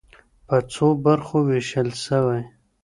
په څو برخو وېشل سوی.